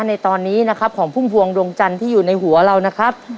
ในตอนนี้นะครับของพุ่มพวงดวงจันทร์ที่อยู่ในหัวเรานะครับ